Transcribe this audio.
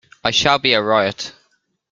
I shall be a riot.